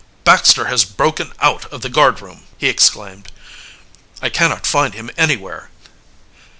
"Baxter has broken out of the guardroom!" he, exclaimed. "I cannot find him anywhere!"